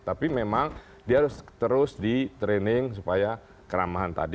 tapi memang dia harus terus di training supaya keramahan tadi